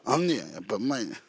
やっぱりうまいやん。